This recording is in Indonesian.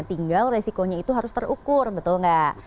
tinggal resikonya itu harus terukur betul nggak